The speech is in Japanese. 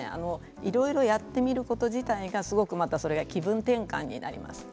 いろいろやってみること自体がすごくそれが気分転換になります。